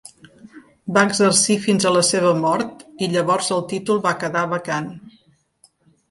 Va exercir fins a la seva mort i llavors el títol va quedar vacant.